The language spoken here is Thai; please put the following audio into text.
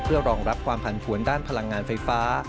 เพื่อรองรับความผันผวนด้านพลังงานไฟฟ้า